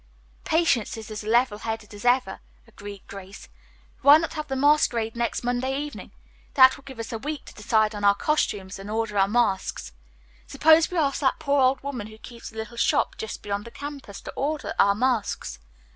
"Patience is as level headed as ever," agreed Grace. "Why not have the masquerade next Monday evening? That will give us a week to decide on our costumes and order our masks. Suppose we ask that poor old woman who keeps the little shop just beyond the campus to order our masks?